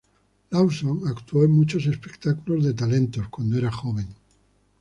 Lawson actuó en muchos espectáculos de talentos cuando era joven.